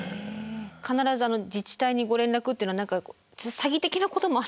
必ず自治体にご連絡っていうのは詐欺的なこともある